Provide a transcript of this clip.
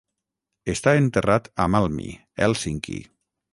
Està enterrat a Malmi, Hèlsinki.